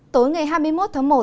tối ngày hai mươi một tháng một